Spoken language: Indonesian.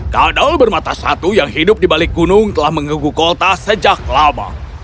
kadal bermata satu yang hidup di balik gunung telah mengeguh kota sejak lama